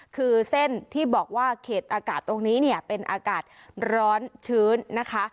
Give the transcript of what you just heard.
คือเส้นที่บอกว่าเขตอากาศตรงนี้เนี่ยเป็นอากาศร้อนชื้นนะคะ